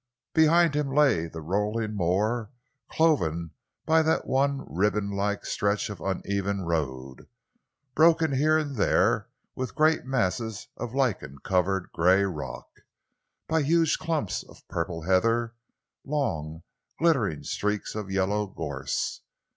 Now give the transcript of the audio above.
Behind him lay the rolling moor, cloven by that one ribbonlike stretch of uneven road, broken here and there with great masses of lichen covered grey rock, by huge clumps of purple heather, long, glittering streaks of yellow gorse.